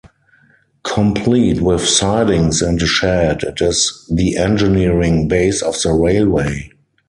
Complete with sidings and a shed, it is the engineering base of the railway.